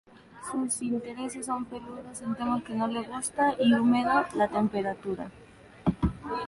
Sus intereses son peludos en temas que no le gusta y húmedo, la temperatura.